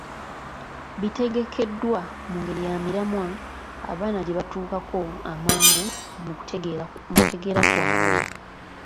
Bitegekeddwa mu ngeri ya miramwa abaana gye batuukako amangu mu kutegeera kwabwe.